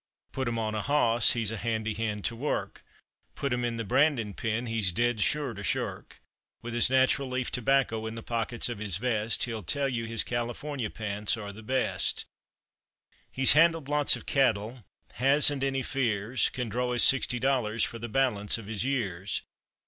Put him on a hoss, he's a handy hand to work; Put him in the brandin' pen, he's dead sure to shirk. With his natural leaf tobacco in the pockets of his vest He'll tell you his California pants are the best. He's handled lots of cattle, hasn't any fears, Can draw his sixty dollars for the balance of his years.